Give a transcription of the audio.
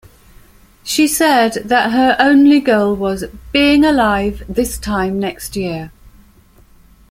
She said that her only goal was "being alive this time next year".